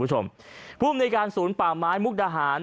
ท่านพรุ่งนี้ไม่แน่ครับ